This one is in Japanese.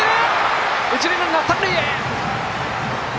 一塁ランナーは三塁へ。